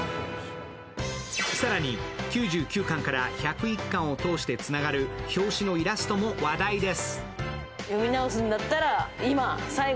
さらに９９巻から１０１巻を通してつながる表紙のイラストも話題です。